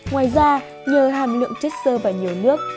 ngoài ra nhờ hàm lượng chất sơ và nhiều nước